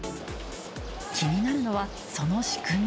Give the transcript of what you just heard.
気になるのはその仕組み。